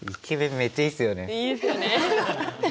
いいですよね。